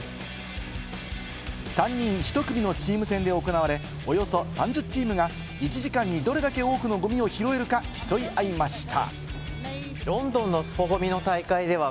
３人ひと組のチーム戦で行われ、およそ３０チームが１時間にどれだけ多くのゴミを拾えるか競い合いました。